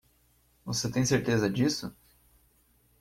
Você tem certeza disso?